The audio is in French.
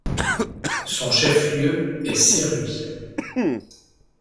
Son chef-lieu est Serui.